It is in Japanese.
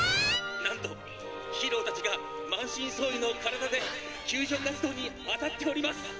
「なんとヒーローたちが満身創痍の体で救助活動に当たっております！」